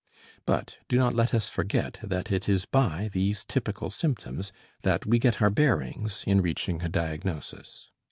But do not let us forget that it is by these typical symptoms that we get our bearings in reaching a diagnosis.